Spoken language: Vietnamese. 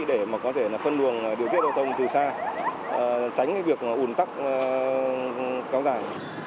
để có thể phân luồng điều kiện đồng tông từ xa tránh việc ủn tắc cao dài